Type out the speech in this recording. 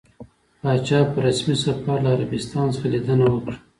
پاچا په رسمي سفر له عربستان څخه ليدنه وکړه.